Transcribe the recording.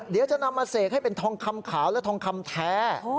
เดี๋ยวจะนำมาเสกให้เป็นทองคำขาวและทองคำแท้